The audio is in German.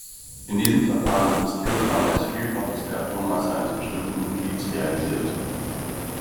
In diesem Verfahren wird das Kilogramm als Vielfaches der Atommasse eines bestimmten Nuklids realisiert.